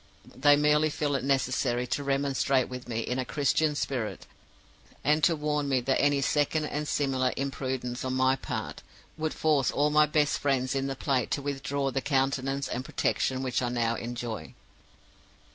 They merely feel it necessary to remonstrate with me in a Christian spirit, and to warn me that any second and similar imprudence on my part would force all my best friends in the place to withdraw the countenance and protection which I now enjoy.